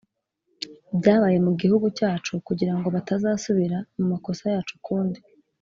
byabaye mu gihugu cyacu kugira ngo batazasubira mu makosa yacu ukundi